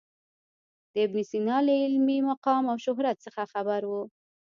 د ابن سینا له علمي مقام او شهرت څخه خبر و.